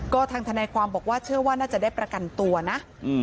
ก็ทางทนายความบอกว่าเชื่อว่าน่าจะได้ประกันตัวนะ